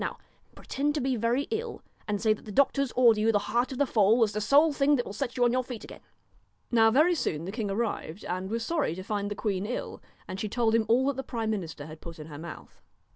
Now pretend to be very ill, and say that the doctors order you the heart of the foal as the sole thing that will set you on your feet again.' Now very soon the king arrived, and was sorry to 134 DON'T find the queen ill, and she told him all that the KNOW prime minister had put in her mouth.